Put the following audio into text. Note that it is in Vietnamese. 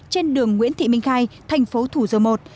trên đường nguyễn thị minh khai thành phố thủ dầu một